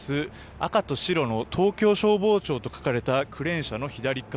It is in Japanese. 赤と白の東京消防庁と書かれたクレーン車の左側